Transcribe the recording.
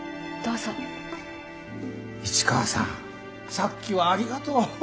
さっきはありがとう。